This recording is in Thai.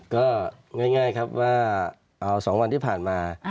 ก็ง่ายครับว่า๒วันที่ผ่านมา